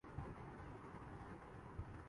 اقتدار میں ہوں۔